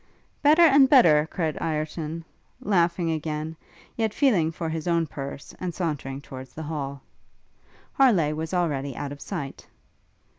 'Better and better!' cried Ireton, laughing again, yet feeling for his own purse, and sauntering towards the hall. Harleigh was already out of sight.